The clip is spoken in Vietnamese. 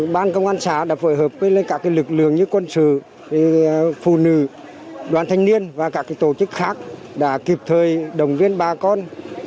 ban công an xã đã phối hợp với các lực lượng như quân sự phụ nữ đoàn thanh niên và các tổ chức khác đã kịp thời đồng viên bà con